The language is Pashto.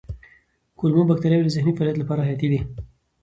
کولمو بکتریاوې د ذهني فعالیت لپاره حیاتي دي.